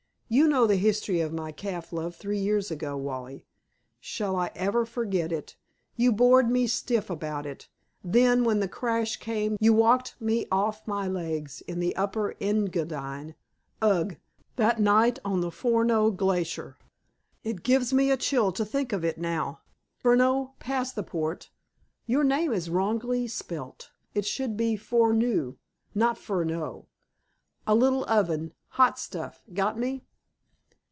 "You know the history of my calf love three years ago, Wally." "Shall I ever forget it? You bored me stiff about it. Then, when the crash came, you walked me off my legs in the Upper Engadine. Ugh! That night on the Forno glacier. It gives me a chill to think of it now. Furneaux, pass the port. Your name is wrongly spelt. It should be fourneau, not Furneaux. A little oven. Hot stuff. Got me?"